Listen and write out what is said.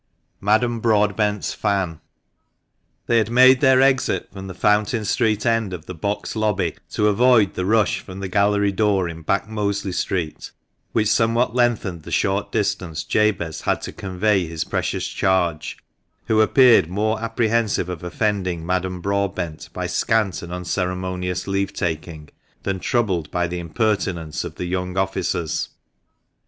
MADAME BROADBENT'S FAN. OHEY had made their exit from the Fountain Street end of the box lobby to avoid the rush from the gallery door in Back Mosley Street, which somewhat lengthened the short distance Jabez had to convey his precious charge, who appeared more apprehensive of offending Madame Broadbent by scant and unceremonious leave taking than troubled by the impertinence of the young officers.